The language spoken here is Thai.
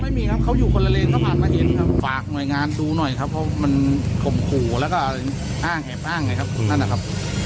ไม่มีครับเขาอยู่คนละเลนก็ผ่านมาเห็นครับฝากหน่วยงานดูหน่อยครับเพราะมันข่มขู่แล้วก็อ้างแอบอ้างไงครับนั่นนะครับ